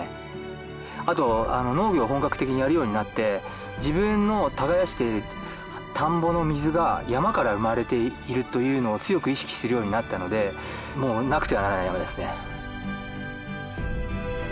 あと農業を本格的にやるようになって自分の耕している田んぼの水が山から生まれているというのを強く意識するようになったのでもうなくてはならない山ですね。